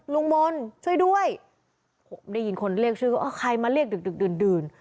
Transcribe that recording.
ลุงมนต์ช่วยด้วยได้ยินคนเรียกชื่อก็เออใครมาเรียกดึกดื่น